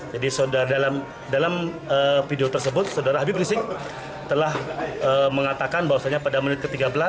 jadi dalam video tersebut saudara habib rizik telah mengatakan bahwasannya pada menit ke tiga belas